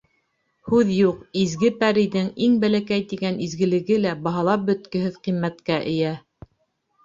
Һүҙ юҡ, изге пәрейҙең иң бәләкәй тигән изгелеге лә баһалап бөткөһөҙ ҡиммәткә эйә.